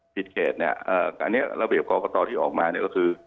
เขตเนี่ยอันนี้ระเบียบกรกตที่ออกมาเนี่ยก็คือ